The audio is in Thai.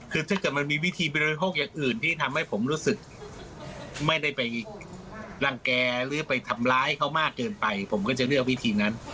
คือถ้าเกิดมันมีวิธีบริโภคอย่างอื่นที่ทำให้ผมรู้สึกไม่ได้ไปรังแก่หรือไปทำร้ายเขามากเกินไปผมก็จะเลือกวิธีนั้น